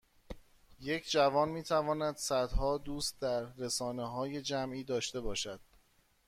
یک جوان میتواند صدها دوست در رسانههای جمعی داشته باشد